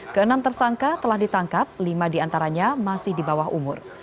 keenam tersangka telah ditangkap lima diantaranya masih di bawah umur